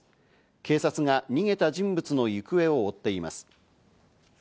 警察が逃げた人物の行方を追っています。